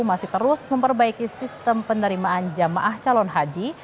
masih terus memperbaiki sistem penerimaan jamaah calon haji